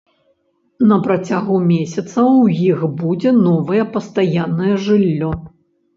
На працягу месяца ў іх будзе новае пастаяннае жыллё.